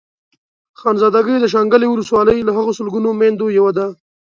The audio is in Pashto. خانزادګۍ د شانګلې ولسوالۍ له هغو سلګونو ميندو يوه ده.